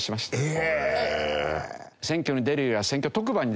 へえ。